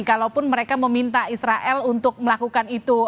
kalaupun mereka meminta israel untuk melakukan itu